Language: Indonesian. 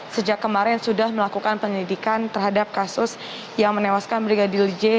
sejak kemarin sudah melakukan penyelidikan terhadap kasus yang menewaskan brigadir j